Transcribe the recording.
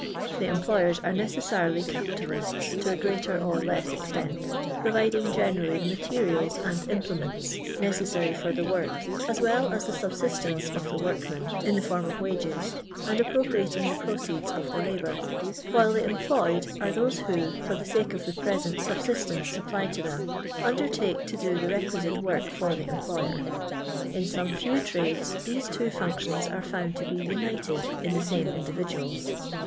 Tiie employers are necefcsarily capitalists to a greater or less extent, providing generally the materials and implements , necessary for the work, as well as the subsistence ; of the workmen, in the form of wages and ap ! propriating the proceeds of the labour, while the I employed are those who, for the sake of the present subsistence supplied to them, undertake to do the rpqui.sitc work for the employer. In .s^me few trades tiiese two functions are found to lie united in the same individuals.